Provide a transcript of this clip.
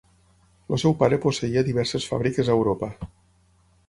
El seu pare posseïa diverses fàbriques a Europa.